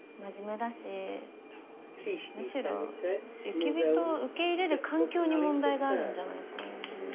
むしろ雪人を受け入れる環境に問題があるんじゃないかな。